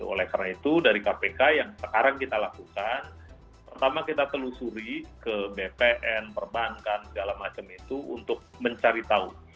oleh karena itu dari kpk yang sekarang kita lakukan pertama kita telusuri ke bpn perbankan segala macam itu untuk mencari tahu